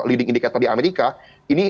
leading indicator di amerika ini